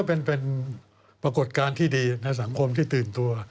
เป็นปรากฏการณ์ที่ดีในสังคมที่ตื่นตัว